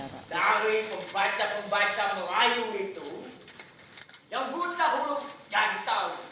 dari pembaca pembaca melayu itu yang bunah huruf jantan